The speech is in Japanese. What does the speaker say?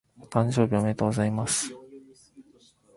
お誕生日おめでとうございます。